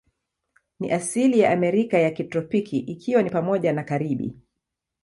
Ni asili ya Amerika ya kitropiki, ikiwa ni pamoja na Karibi.